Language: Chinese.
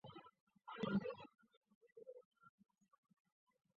垃圾广告软件是一种由垃圾邮件发送者设计的软件。